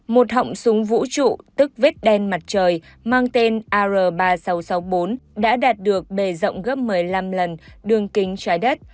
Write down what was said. một họng súng vũ trụ tức vết đen mặt trời mang tên ar ba nghìn sáu trăm sáu mươi bốn đã đạt được bề rộng gấp một mươi năm lần đường kính trái đất